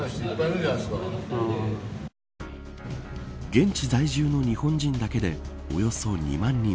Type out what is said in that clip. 現地在住の日本人だけでおよそ２万人。